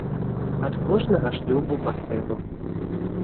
Ад кожнага шлюбу па сыну.